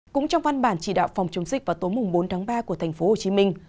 cũng trong văn bản chỉ đạo phòng chống dịch vào tối bốn tháng ba của tp hcm